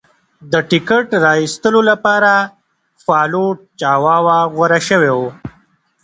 د ټکټ را ایستلو لپاره فالوټ چاواوا غوره شوی و.